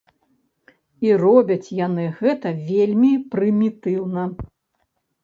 І робяць яны гэта вельмі прымітыўна.